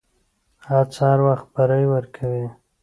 هڅه هر وخت بری ورکوي.